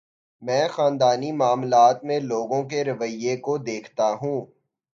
میں خاندانی معاملات میں لوگوں کے رویے کو دیکھتا ہوں۔